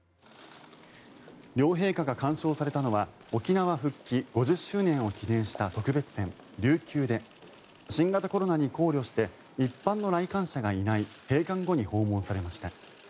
両陛下が鑑賞されたのは沖縄復帰５０周年を記念した特別展、琉球で新型コロナに考慮して一般の来館者がいない閉館後に訪問されました。